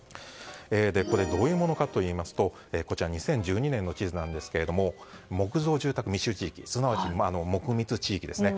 どういうものかといいますと２０１２年の地図ですが木造住宅密集地域木密地域ですね。